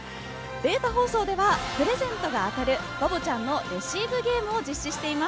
データ放送ではプレゼントが当たるバボちゃんのレシーブゲームを実施しています。